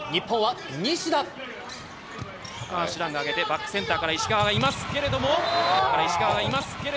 高橋藍が上げて、バックセンターから、石川がいますけれども。